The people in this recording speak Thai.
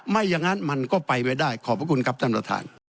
ไม่อย่างนั้นมันก็ไปไม่ได้ขอบพระคุณครับท่านประธาน